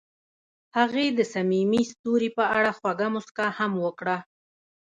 هغې د صمیمي ستوري په اړه خوږه موسکا هم وکړه.